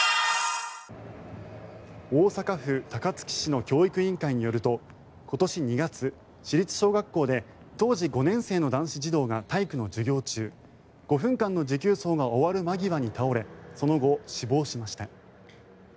大阪府高槻市の教育委員会によると今年２月、市立小学校で当時５年生の男子児童が体育の授業中、５分間の持久走が終わる間際に倒れその後、死亡しました。